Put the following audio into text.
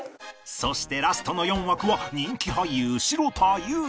そしてラストの４枠は人気俳優城田優